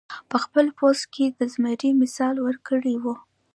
پۀ خپل پوسټ کښې د زمري مثال ورکړے وۀ -